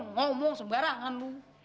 ngomong sembarangan bu